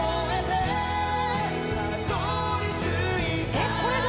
えっこれが？